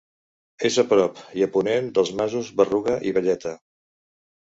És a prop i a ponent dels masos Berruga i Valleta.